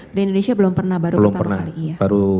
gi belum pernah baru sekali